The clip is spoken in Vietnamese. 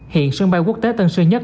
hiện sân bay quốc tế tân sơn nhất